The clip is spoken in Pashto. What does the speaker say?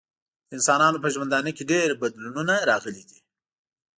د انسانانو په ژوندانه کې ډیر بدلونونه راغلي دي.